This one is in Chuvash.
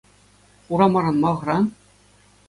Хурамаран ма хӑран?